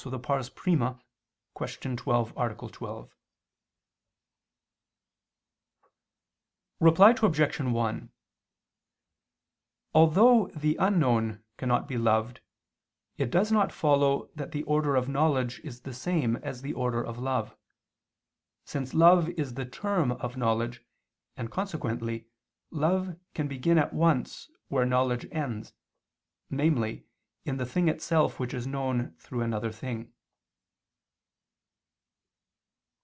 I, Q. 12, A. 12). Reply Obj. 1: Although the unknown cannot be loved, it does not follow that the order of knowledge is the same as the order of love, since love is the term of knowledge, and consequently, love can begin at once where knowledge ends, namely in the thing itself which is known through another thing.